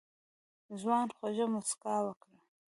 ځوان خوږه موسکا وکړه.